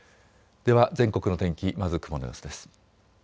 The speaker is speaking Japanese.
では全国の天気、まず雲の様子です。